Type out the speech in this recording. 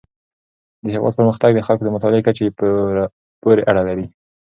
د هیواد پرمختګ د خلکو د مطالعې کچې پورې اړه لري.